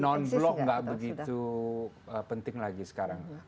non blok nggak begitu penting lagi sekarang